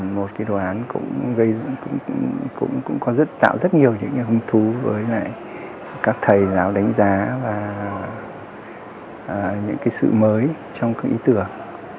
một cái đoán cũng tạo rất nhiều những hứng thú với lại các thầy giáo đánh giá và những cái sự mới trong cái ý tưởng